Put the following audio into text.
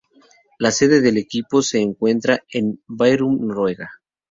La sede del equipo se encuentra en Bærum, Noruega.